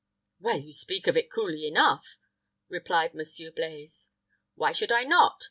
"Well, you speak of it coolly enough," replied Monsieur Blaize. "Why should I not?"